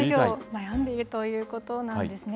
悩んでいるということなんですね。